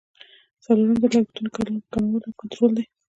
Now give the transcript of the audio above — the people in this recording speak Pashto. څلورم د لګښتونو کمول او کنټرولول دي.